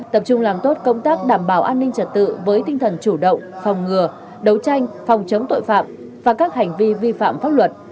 tập trung làm tốt công tác đảm bảo an ninh trật tự với tinh thần chủ động phòng ngừa đấu tranh phòng chống tội phạm và các hành vi vi phạm pháp luật